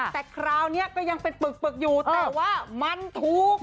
แต่คราวนี้ก็ยังเป็นปึกอยู่แต่ว่ามันถูก